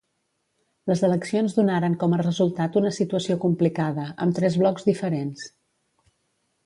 Les eleccions donaren com a resultat una situació complicada, amb tres blocs diferents.